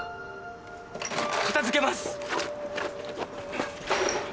片づけます。